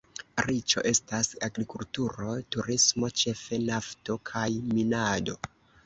Riĉo estas agrikulturo, turismo, ĉefe nafto kaj minado.